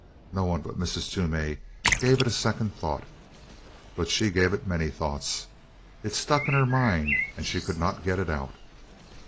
No one but Mrs. Toomey gave it a second thought. But she gave it many thoughts; it stuck in her mind and she could not get it out.